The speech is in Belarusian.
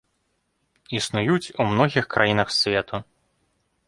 Існуюць у многіх краінах свету.